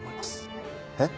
えっ？